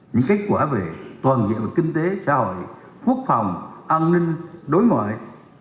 những kết quả về toàn diện về kinh tế xã hội quốc phòng an ninh đối ngoại